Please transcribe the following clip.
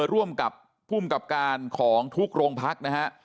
ร่วมกับภูมิกับการของทุกโรงพักนะฮะ